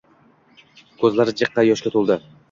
Ko`zlari jiqqa yoshga to`ldi